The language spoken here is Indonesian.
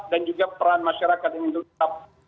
dan juga peran masyarakat ini tetap